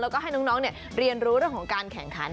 แล้วก็ให้น้องเรียนรู้เรื่องของการแข่งขัน